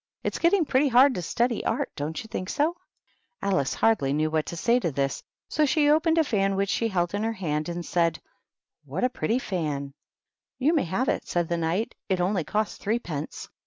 It's getting pretty hard to study Art, don't you think so ?" Alice hardly knew what to say to this, so she opened a fan which she held in her hand, and said, "What a pretty fan!" " You may have it," said the Knight ;" it only cost threepence."